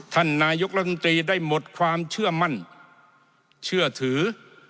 ท่านนายกรัฐมนตรีได้หมดความเชื่อมั่นเชื่อถือ